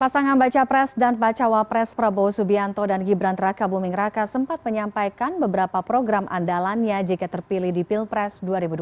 pasangan baca pres dan bacawa pres prabowo subianto dan gibran raka buming raka sempat menyampaikan beberapa program andalannya jika terpilih di pilpres dua ribu dua puluh